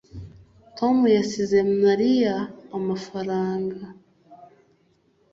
tom yasize mariya amafaranga